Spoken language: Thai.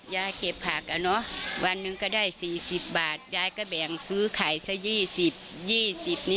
ยายเก็บผักอ่ะเนอะวันหนึ่งก็ได้๔๐บาทยายก็แบ่งซื้อไข่ซะ๒๐๒๐นี้